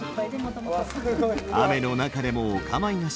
雨の中でもお構いなし。